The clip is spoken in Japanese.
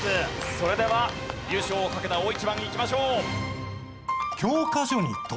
それでは優勝をかけた大一番いきましょう。